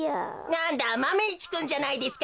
なんだマメ１くんじゃないですか。